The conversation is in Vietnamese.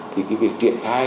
thì cái việc triển khai